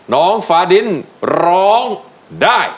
น้องฟาดินร้องได้